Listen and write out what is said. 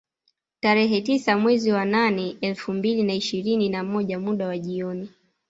Tarehe tisa mwezi wa nane elfu mbili na ishirini na moja muda wa jioni